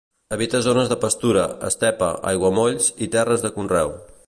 Habita zones de pastura, estepa, aiguamolls i terres de conreu.